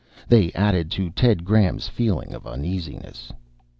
They added to Ted Graham's feeling of uneasiness.